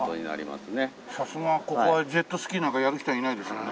さすがにここはジェットスキーなんかやる人はいないですよね？